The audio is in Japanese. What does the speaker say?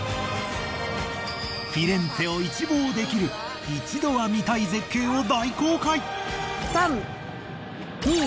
フィレンツェを一望できる一度は見たい絶景を大公開。